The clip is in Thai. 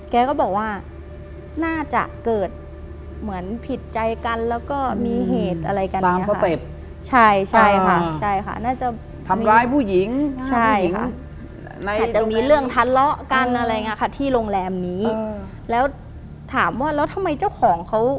แกก็บอกว่าน่าจะเกิดผิดใจกันเราก็มีเหตุอะไรกัน